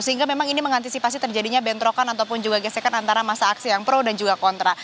sehingga memang ini mengantisipasi terjadinya bentrokan ataupun juga gesekan antara masa aksi yang pro dan juga kontra